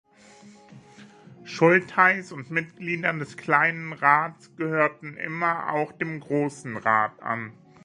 Schultheiss und Mitglieder des Kleinen Rats gehörten immer auch dem Grossen Rat an.